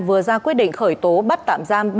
vừa ra quyết định khởi tố bắt tạm giam